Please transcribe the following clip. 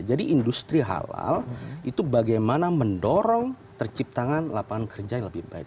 jadi industri halal itu bagaimana mendorong terciptakan lapangan kerja yang lebih baik